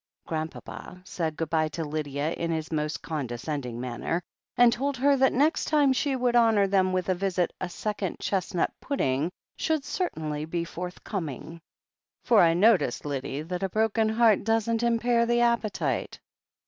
Grandpapa said good bye to Lydia in his most con descending manner, and told her that next time she would honour them with a visit a second chestnut pudding should certainly be forthcoming. "For I notice, Lyddie, that a broken heart doesn't impair the appetite."